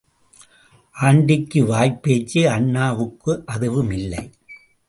ஆண்டிக்கு வாய்ப் பேச்சு அண்ணாவுக்கு அதுவும் இல்லை.